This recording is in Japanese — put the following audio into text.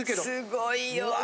すごいよ。